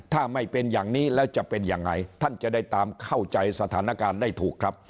ถ้าไม่เป็นอย่างนี้แล้วจะเป็นยังไงท่านจะได้ตามเข้าใจสถานการณ์ได้ถูกครับ